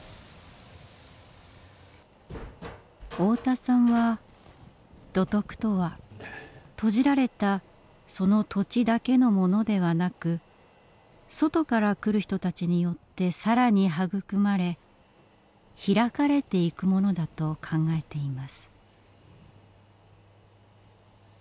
太田さんは土徳とは閉じられたその土地だけのものではなく外から来る人たちによって更に育まれ開かれていくものだと考えています。